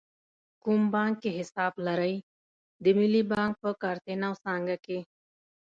کوم بانک کې حساب لرئ؟ د ملی بانک په کارته نو څانګه کښی